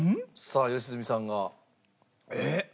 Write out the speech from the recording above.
さあ良純さんが。